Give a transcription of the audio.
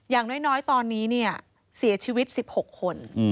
อย่างน้อยตอนนี้เสียชีวิต๑๖คน